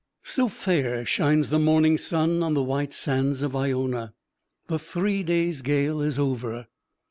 So fair shines the morning sun on the white sands of Iona! The three days' gale is over.